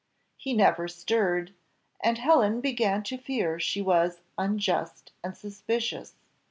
He never stirred, and Helen began to fear she was unjust and suspicious.